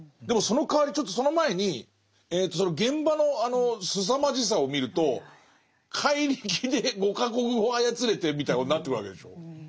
でもそのかわりちょっとその前にその現場のすさまじさを見ると怪力で５か国語を操れてみたいなことになってくるわけでしょ。